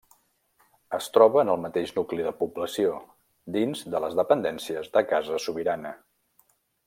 Es troba en el mateix nucli de població, dins de les dependències de Casa Sobirana.